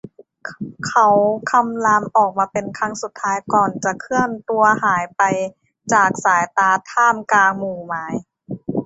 เขาคำรามออกมาเป็นครั้งสุดท้ายก่อนจะเคลื่อนตัวหายไปจากสายตาท่ามกลางหมู่ไม้